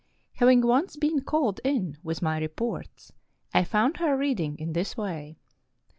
Having once been called in with my reports, I found her reading in this way.